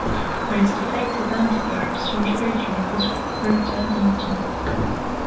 Most affected antivirus from Trojan is Webroot and Norton.